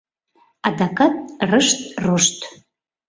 Адакат — рышт-рошт.